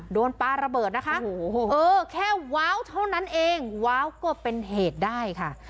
ปลาระเบิดนะคะเออแค่ว้าวเท่านั้นเองว้าวก็เป็นเหตุได้ค่ะ